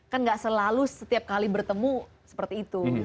kan gak selalu setiap kali bertemu seperti itu